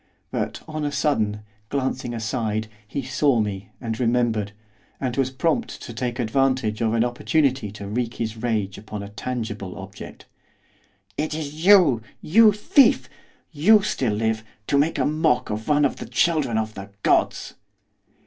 But, on a sudden, glancing aside, he saw me, and remembered, and was prompt to take advantage of an opportunity to wreak his rage upon a tangible object. 'It is you! you thief! you still live! to make a mock of one of the children of the gods!